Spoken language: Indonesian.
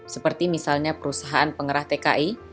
seperti misalnya perusahaan pengerah tki